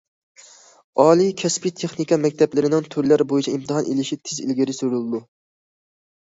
ئالىي كەسپىي تېخنىكا مەكتەپلىرىنىڭ تۈرلەر بويىچە ئىمتىھان ئېلىشى تېز ئىلگىرى سۈرۈلىدۇ.